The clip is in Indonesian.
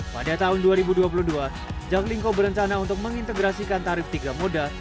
pada tahun dua ribu dua puluh dua jaklingko berencana untuk mengintegrasikan tarif tiga moda